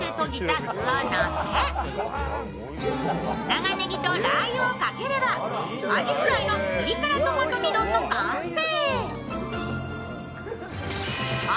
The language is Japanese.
長ねぎとラー油をかければあじフライのピリ辛トマト煮丼の完成。